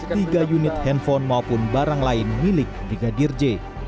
tiga unit handphone maupun barang lain milik brigadir j